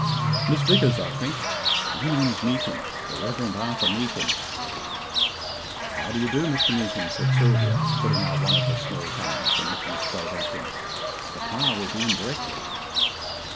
"Miss Vickers, I think. My name is Meekin the Reverend Arthur Meekin." "How do you do, Mr. Meekin?" said Sylvia, putting out one of her small hands, and looking straight at him. "Papa will be in directly."